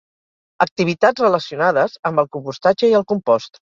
Activitats relacionades amb el compostatge i el compost.